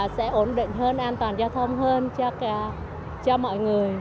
sẽ ổn định hơn an toàn giao thông hơn cho mọi người